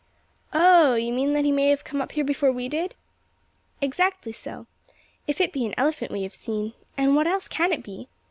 "Oh! you mean that he may have come up here before we did?" "Exactly so. If it be an elephant we have seen and what else can it be?"